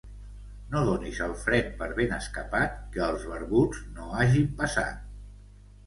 No donis el fred per ben escapat, que els barbuts no hagin passat.